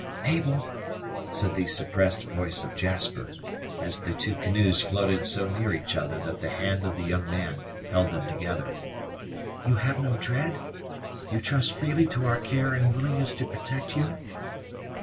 "Mabel!" said the suppressed voice of Jasper, as the two canoes floated so near each other that the hand of the young man held them together, "you have no dread? You trust freely to our care and willingness to protect you?"